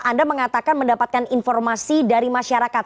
anda mengatakan mendapatkan informasi dari masyarakat